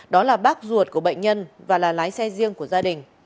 đó là bác ruột của bệnh nhân và là lái xe riêng của gia đình